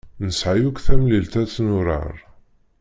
Nesɛa yakk tamlilt ad tt-nurar.